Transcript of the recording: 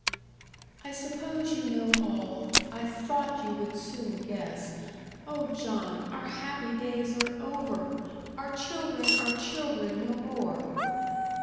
"I suppose you know all. I thought you would soon guess. Oh, John, our happy days are over! Our children are children no more."